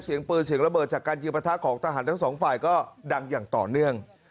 เสียงปืนเสียงระเบิดจากการยิงประทะของทหารทั้งสองฝ่ายก็ดังอย่างต่อเนื่อง